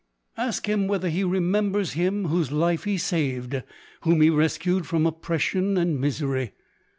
Ask him whether he remembers him whose life he saved — whom he rescued from oppression and misery.